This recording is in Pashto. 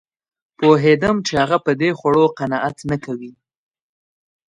پوهېدم چې هغه په دې خوړو قناعت نه کوي